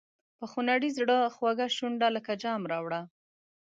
په خونړي زړه خوږه شونډه لکه جام راوړه.